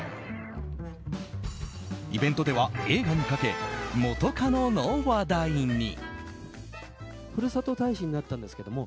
イベントでは、映画にかけ元カノの話題に。